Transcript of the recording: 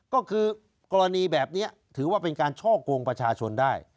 ก็คือกรณีแบบนี้ถือว่าเป็นการช่อกงประชาชนได้